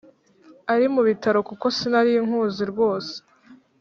ari mubitaro kuko sinarinkuzi rwose."